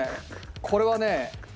これはね。